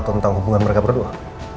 tentang hubungan mereka berdua